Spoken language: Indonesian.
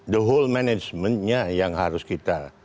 seluruh manajemennya yang harus kita